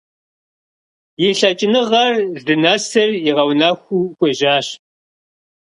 И лъэкӀыныгъэр здынэсыр игъэунэхуу хуежьащ.